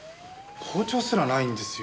包丁すらないんですよ。